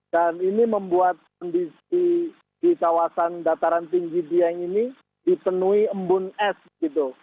dan ini membuat kondisi di kawasan dataran tinggi biang ini dipenuhi embun es gitu